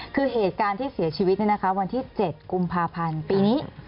คือเหตุการณ์ที่เสียชีวิตวันที่๗กุมภาพันธ์ปีนี้